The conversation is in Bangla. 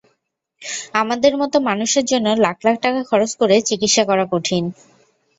আমাদের মতো মানুষের জন্য লাখ লাখ টাকা খরচ করে চিকিৎসা করা কঠিন।